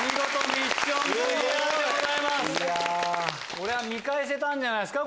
これは見返せたんじゃないですか